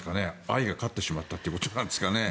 愛が勝ってしまったということなんですかね。